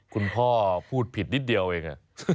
คุณพ่อพูดผิดนิดเดียวเอง